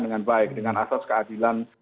dengan baik dengan asas keadilan